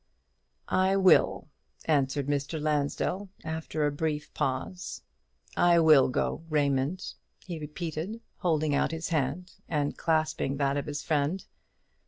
"I will," answered Mr. Lansdell, after a brief pause; "I will go, Raymond," he repeated, holding out his hand, and clasping that of his friend.